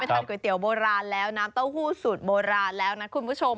ทานก๋วยเตี๋ยวโบราณแล้วน้ำเต้าหู้สูตรโบราณแล้วนะคุณผู้ชม